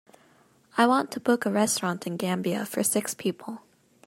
I want to book a restaurant in Gambia for six people.